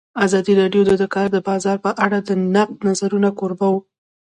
ازادي راډیو د د کار بازار په اړه د نقدي نظرونو کوربه وه.